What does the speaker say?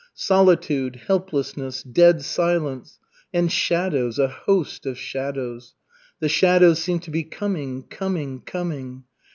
Solitude, helplessness, dead silence and shadows, a host of shadows. The shadows seemed to be coming, coming, coming.